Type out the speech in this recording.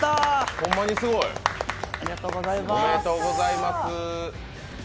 ホンマにすごい。おめでとうございます。